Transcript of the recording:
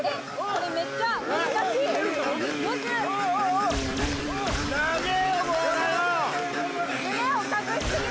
これめっちゃ難しいムズっ！